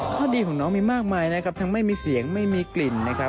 ข้อดีของน้องมีมากมายนะครับทั้งไม่มีเสียงไม่มีกลิ่นนะครับ